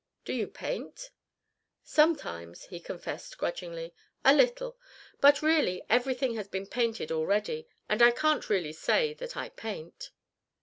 "Do you paint?" "Sometimes," he confessed, grudgingly. "A little. But really everything has been painted already; and I can't really say that I paint."